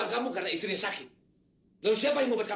kalau menilai gigitan dari setiap leher korban